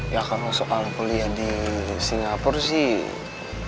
ya kalau soal kuliah di singapura sih